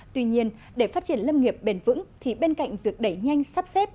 tuy nhiên để phát triển lâm nghiệp bền vững thì bên cạnh việc đẩy nhanh sắp xếp